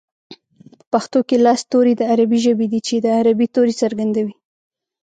په پښتو کې لس توري د عربۍ ژبې دي چې د عربۍ توري څرګندوي